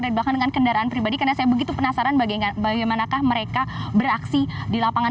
dan bahkan dengan kendaraan pribadi karena saya begitu penasaran bagaimana mereka beraksi di lapangan